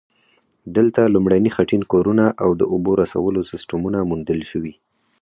دلته لومړني خټین کورونه او د اوبو رسولو سیستمونه موندل شوي